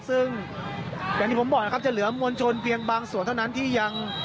ซึ่งอย่างที่ผมบอกนะครับจะเหลือมวลชนเพียงบางส่วนเท่านั้นที่ยัง